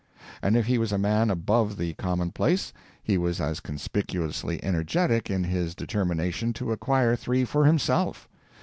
And if he was a man above the common place, he was as conspicuously energetic in his determination to acquire three for himself.